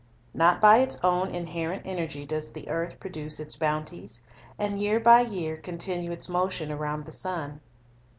Not by its own inherent energy does ui e the earth produce its bounties, and year by year con tinue its motion around the sun.